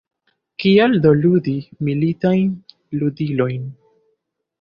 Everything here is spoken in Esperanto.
Kial do ludi militajn ludilojn?